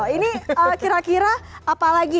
ini kira kira apalagi